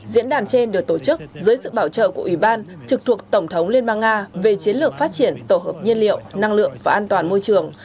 diễn đàn trên được tổ chức dưới sự bảo trợ của ủy ban trực thuộc tổng thống liên bang nga về chiến lược phát triển tổ hợp nhiên liệu năng lượng và an toàn môi trường